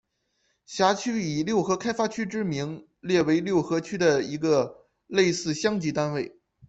辖区以六合开发区之名列为六合区的一个类似乡级单位。